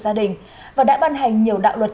gia đình và đã ban hành nhiều đạo luật